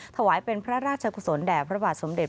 ถวายเป็นพระราชกุศลแด่พระบาทสมเด็จ